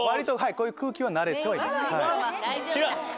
こういう空気は慣れてはいます。